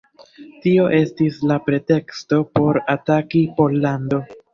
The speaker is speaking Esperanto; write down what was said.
Tio estis la preteksto por ataki Pollandon.